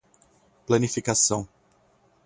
Planificação